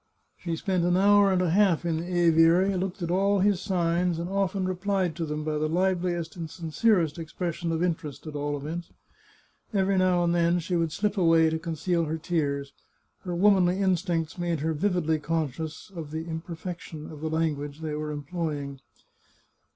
She spent an hour and a half in the aviary, looked at all his sig^s, and often replied to them by the liveHest and 339 The Chartreuse of Parma sincerest expression of interest, at all events. Every now and then she would slip away to conceal her tears. Her womanly instincts made her vividly conscious of the imper fection of the language they were employing.